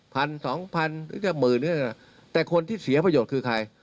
พันสองพันหรือจะหมื่นแต่คนที่เสียประโยชน์คือใคร